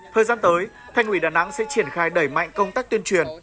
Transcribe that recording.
thời gian tới thành ủy đà nẵng sẽ triển khai đẩy mạnh công tác tuyên truyền